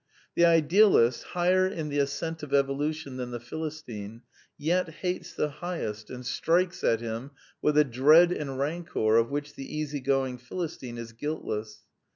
The idealist, higher in the ascent of evolution than the Philis tine, yet hates the highest and strikes at him with a dread and rancor of which the easygoing Philistine is guiltless.